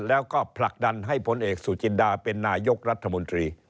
แล้วก็ผลักดันให้พลเอกสุจินดาเป็นนายกรัฐมนตรี